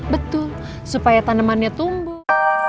betul supaya tanamannya tumbuh